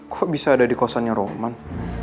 kok bisa ada di kosannya rohman